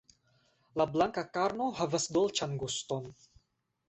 La blanka karno havas dolĉan guston.